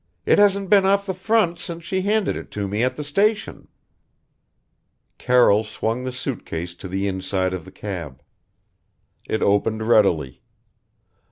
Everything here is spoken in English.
It hasn't been off the front since she handed it to me at the station." Carroll swung the suit case to the inside of the cab. It opened readily.